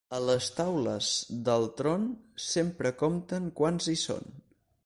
A les taules d'Altron, sempre compten quants hi són.